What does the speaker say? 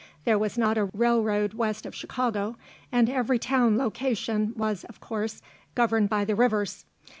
There was not a railroad west of Chicago, and every town location was, of course, governed by the rivers.